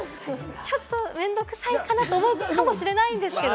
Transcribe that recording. ちょっと面倒くさいかなと思うかもしれないんですけどね。